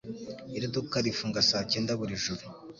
Iri duka rifunga saa cyenda buri joro.